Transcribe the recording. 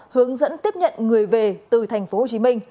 hướng dẫn tiếp nhận người về từ tp hcm